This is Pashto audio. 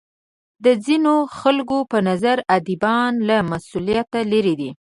د ځینو خلکو په نظر ادیبان له مسولیت لرې دي.